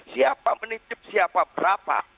siapa menitip siapa berapa